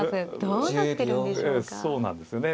どうなってるんでしょうか。